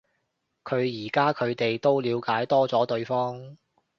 但而家佢哋都了解多咗對方